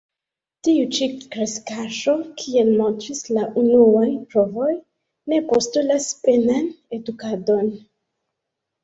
Tiu ĉi kreskaĵo, kiel montris la unuaj provoj, ne postulas penan edukadon.